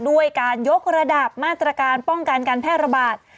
ด้วยการยกระดับมาตรการป้องกันการแพร่ระบาด